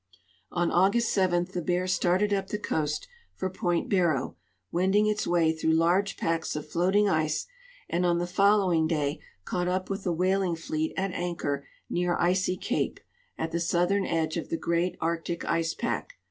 On August 7 the Bear started up the coast for point Barrow, wending its way through large packs of floating ice, and on the following day caught up with the whaling fleet at anchor near Icy cape, at the southern edge of the great Arctic ice pack.